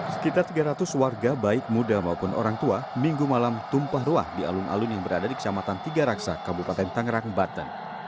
sekitar tiga ratus warga baik muda maupun orang tua minggu malam tumpah ruah di alun alun yang berada di kecamatan tiga raksa kabupaten tangerang banten